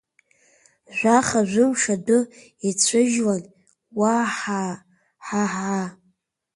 Жәаха-жәымш адәы ицәыжьлан, уаа-ҳа, ҳаа, ҳаа!